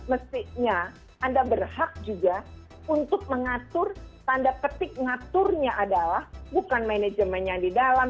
mestinya anda berhak juga untuk mengatur tanda petik ngaturnya adalah bukan manajemen yang di dalam